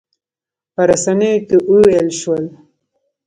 په رسنیو کې وویل شول.